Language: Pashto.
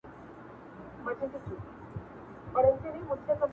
یو ننګرهاری ځوان وو